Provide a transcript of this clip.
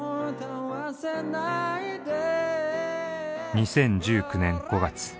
２０１９年５月。